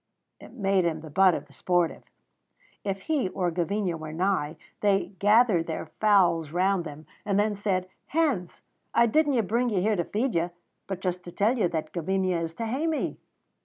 It made him the butt of the sportive. If he or Gavinia were nigh, they gathered their fowls round them and then said: "Hens, I didna bring you here to feed you, but just to tell you that Gavinia is to hae me."